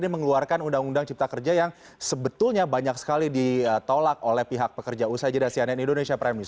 dpr ini mengeluarkan undang undang cipta kerja yang sebetulnya banyak sekali ditolak oleh pihak pekerja usaha jadah si aneh indonesia prime news